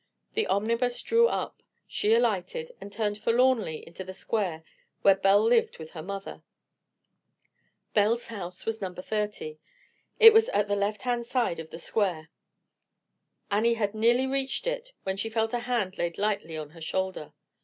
The omnibus drew up, she alighted and turned forlornly into the square where Belle lived with her mother. Belle's house was No. 30; it was at the left hand side of the square. Annie had nearly reached it when she felt a hand laid lightly on her shoulder.